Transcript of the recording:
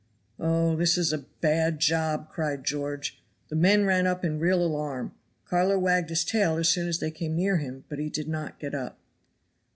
"Oh! this is a bad job," cried George. The men ran up in real alarm; Carlo wagged his tail as soon as they came near him, but he did not get up.